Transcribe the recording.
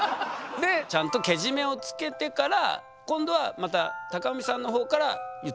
ちゃんとけじめをつけてから今度はまた貴文さんの方から言ったんですか？